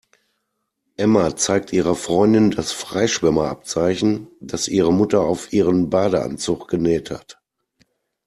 Emma zeigt ihrer Freundin das Freischwimmer-Abzeichen, das ihre Mutter auf ihren Badeanzug genäht hat.